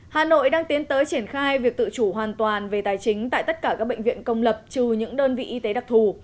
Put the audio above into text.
hà nội đang tiến tới triển khai việc tự chủ hoàn toàn về tài chính tại tất cả các bệnh viện công lập trừ những đơn vị y tế đặc thù